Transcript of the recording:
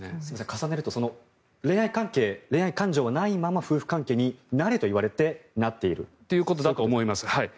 重ねると恋愛関係、恋愛感情がないままに夫婦関係になれと言われてなっている？ということだと思います。